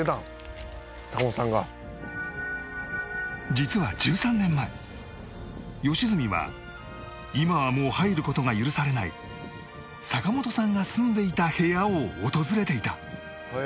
実は１３年前良純は今はもう入る事が許されない坂本さんが住んでいた部屋を訪れていた